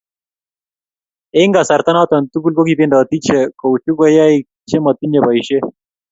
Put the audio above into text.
eng' kasarta noto tugul ko kibendoti icheke kou chukuyaik che matinyei boisie.